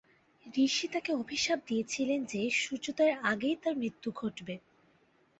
ঋষি তাকে অভিশাপ দিয়েছিলেন যে সূর্যোদয়ের আগেই তার মৃত্যু ঘটবে।